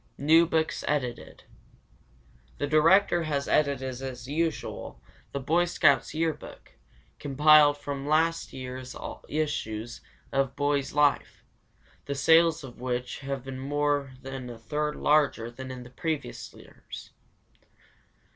New books edited. The director has edited as usual the Boy Scouts' Year Book, compiled from last year's issues of Boys' Life, the sales of which have been more than a third larger than in previous years.